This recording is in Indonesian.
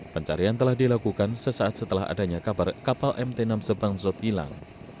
pencarian telah dilakukan sesaat setelah adanya kabar kapal mt enam c bangsot hilang